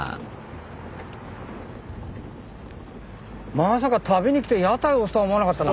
まさか旅に来て屋台押すとは思わなかったな。